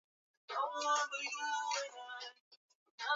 Aliishi hasa kwa kutumia njia ya kuwinda